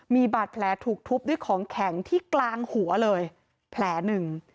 มีบาดแผลถูกทุบด้วยของแข็งที่กลางหัวเลยแผลหนึ่ง